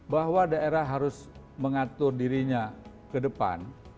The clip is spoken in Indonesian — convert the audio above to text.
bahwa daerah harus mengatur dirinya ke depan